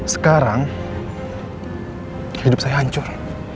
sekarang hidup saya hancur